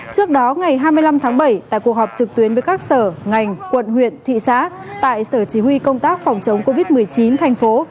trước đó ngày hai mươi năm tháng bảy tại cuộc họp trực tuyến với các sở ngành quận huyện thị xã tại sở chỉ huy công tác phòng chống covid một mươi chín thành phố